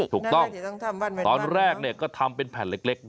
ถูกต้องตอนแรกก็ทำเป็นแผ่นเล็ก